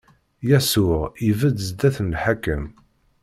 Yasuɛ ibedd zdat n lḥakem.